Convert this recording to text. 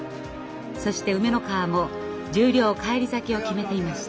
そして梅ノ川も十両返り咲きを決めていました。